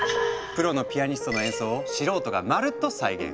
プロのピアニストの演奏を素人がまるっと再現。